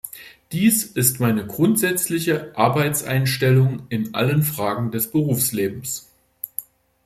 Dies ist meine grundsätzliche Arbeitseinstellung in allen Fragen des Berufslebens.